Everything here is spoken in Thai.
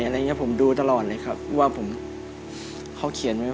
ที่พาต้องทำแบบนี้